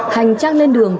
hành trang lên đường